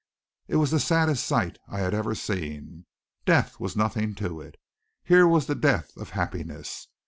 It was the saddest sight I had ever seen. Death was nothing to it. Here was the death of happiness.